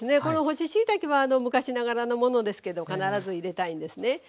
この干ししいたけは昔ながらのものですけど必ず入れたいんですね。